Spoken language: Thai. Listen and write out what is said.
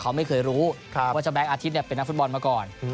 เขาไม่เคยรู้ว่าเจ้าแบงคอาทิตย์เป็นนักฟุตบอลมาก่อน